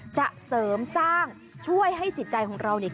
จะเสริมซ่างช่วยให้หลายกริกใจของเราเนี่ย